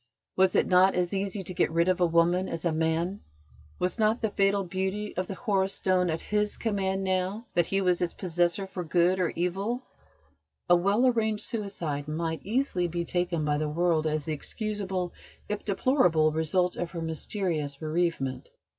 Was it not as easy to get rid of a woman as a man? Was not the fatal beauty of the Horus Stone at his command now that he was its possessor for good or evil? A well arranged suicide might easily be taken by the world as the excusable, if deplorable, result of her mysterious bereavement.